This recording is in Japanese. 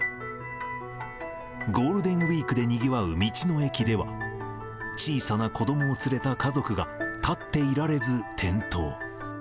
ゴールデンウィークでにぎわう道の駅では、小さな子どもを連れた家族が、立っていられず転倒。